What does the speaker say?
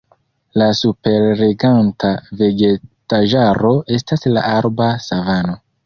La superreganta vegetaĵaro estas la arba savano.